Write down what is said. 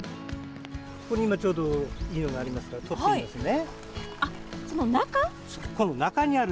ここに今ちょうどいいのがあるので取ってみますね。